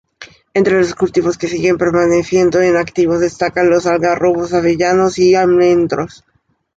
Entre los cultivos que siguen permaneciendo en activo destacan los algarrobos, avellanos y almendros.